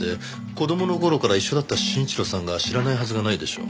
子供の頃から一緒だった真一郎さんが知らないはずがないでしょう。